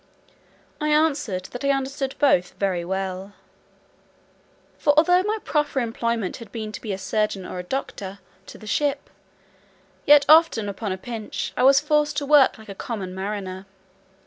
I answered, that I understood both very well: for although my proper employment had been to be surgeon or doctor to the ship, yet often, upon a pinch, I was forced to work like a common mariner.